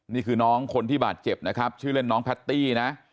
นี่คือน้องคนที่บาดเจ็บนะครับชื่อเล่นน้องแพตตี้นะ